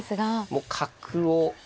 もう角を。